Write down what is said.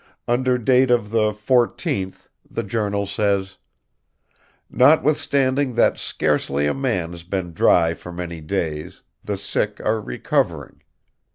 Under date of the 14th, the journal says: "Notwithstanding that scarcely a man has been dry for many days, the sick are recovering....